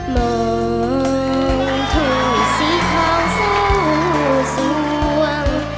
มองถ่วยสีของสู้สวง